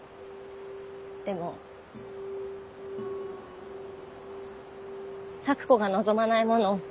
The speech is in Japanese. でも咲子が望まないもの